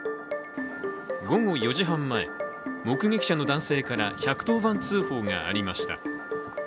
午後４時半前、目撃者の男性から１１０番通報がありました。